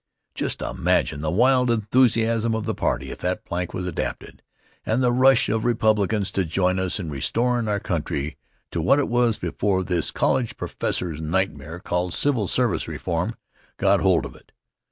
Just imagine the wild enthusiasm of the party, if that plank was adapted, and the rush of Republicans to join us in restorin' our country to what it was before this college professor's nightmare, called civil service reform, got hold of it!